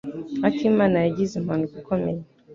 Akimana yagize impanuka ikomeye.